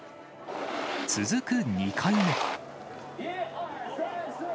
続く２回目。